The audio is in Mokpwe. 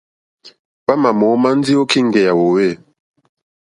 Hwámà mǒmá ndí ô kíŋgɛ̀ yà hwòhwê.